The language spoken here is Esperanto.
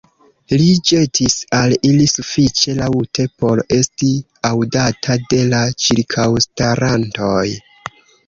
li ĵetis al ili sufiĉe laŭte, por esti aŭdata de la ĉirkaŭstarantoj.